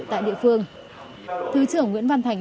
tại địa phương thứ trưởng nguyễn văn thành